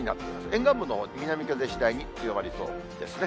沿岸部のほう、南風、次第に強まりそうですね。